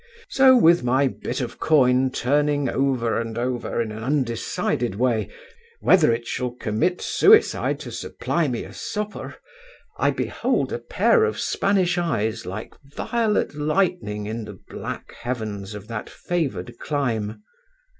So with my bit of coin turning over and over in an undecided way, whether it shall commit suicide to supply me a supper, I behold a pair of Spanish eyes like violet lightning in the black heavens of that favoured clime.